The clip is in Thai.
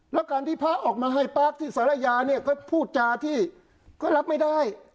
แล้วการที่พระออกมาให้ปากที่สารยาเนี่ยก็พูดจาที่ก็รับไม่ได้